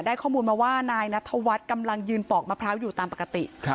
ข้อมูลมาว่านายนัทวัฒน์กำลังยืนปอกมะพร้าวอยู่ตามปกติ